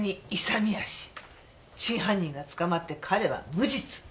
真犯人が捕まって彼は無実。